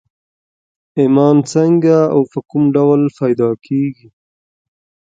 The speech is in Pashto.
ايمان څنګه او په کوم ډول پيدا کېږي؟